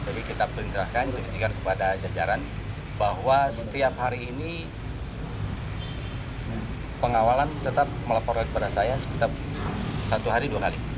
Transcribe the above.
jadi kita perintahkan jelaskan kepada jajaran bahwa setiap hari ini pengawalan tetap melaporkan kepada saya setiap satu hari dua hari